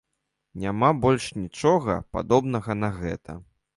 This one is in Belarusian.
Няма больш нічога, падобнага на гэта.